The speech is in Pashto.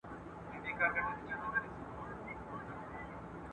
چي د بل چا نېستي غواړي